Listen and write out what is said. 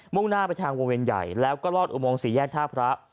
่งหน้าไปทางวงเวียนใหญ่แล้วก็ลอดอุโมงสี่แยกท่าพระ